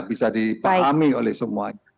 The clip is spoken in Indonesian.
bisa dipahami oleh semua